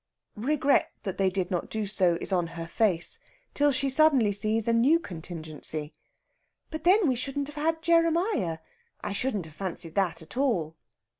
Regret that they did not do so is on her face, till she suddenly sees a new contingency. "But then we shouldn't have had Jeremiah. I shouldn't have fancied that at all."